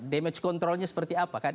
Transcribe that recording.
damage controlnya seperti apa kan